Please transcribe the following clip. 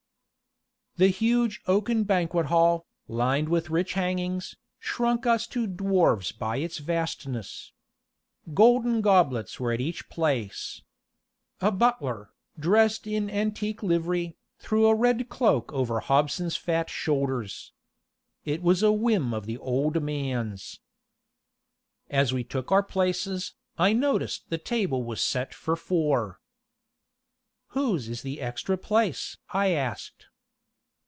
The huge oaken banquet hall, lined with rich hangings, shrunk us to dwarfs by its vastness. Golden goblets were at each place. A butler, dressed in antique livery, threw a red cloak over Hobson's fat shoulders. It was a whim of the old man's. As we took our places, I noticed the table was set for four. "Whose is the extra place?" I asked.